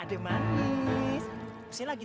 adek manis siapa lagi